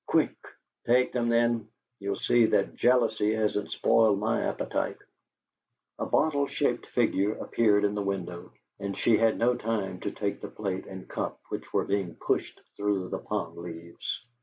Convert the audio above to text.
Quick!" "Take them, then. You'll see that jealousy hasn't spoiled my appetite " A bottle shaped figure appeared in the window and she had no time to take the plate and cup which were being pushed through the palm leaves.